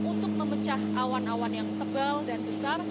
untuk memecah awan awan yang tebal dan besar